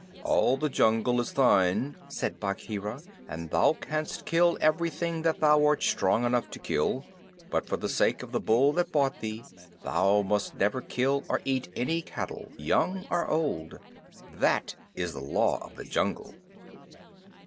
"All the jungle is thine," said Bagheera, "and thou canst kill everything that thou art strong enough to kill; but for the sake of the bull that bought thee thou must never kill or eat any cattle young or old. That is the Law of the Jungle."